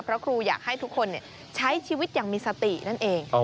เพราะครูอยากให้ทุกคนใช้ชีวิตอย่างมีสตินั่นเอง